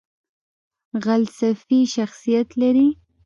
غلسفي شخصیت لري .